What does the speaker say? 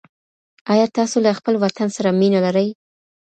آیا تاسو له خپل وطن سره مینه لرئ؟